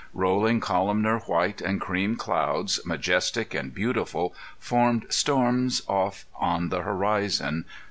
Rolling columnar white and cream clouds, majestic and beautiful, formed storms off on the horizon.